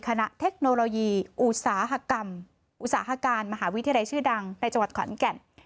เทคโนโลยีอุตสาหกรรมอุตสาหการมหาวิทยาลัยชื่อดังในจังหวัดขอนแก่น